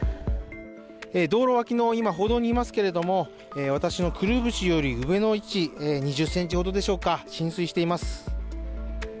道路脇の歩道にいますけれども私のくるぶしより上の位置、２０ｃｍほどでしょうか、浸水しています。